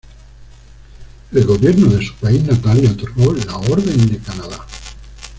El Gobierno de su país natal le otorgó la Orden de Canadá.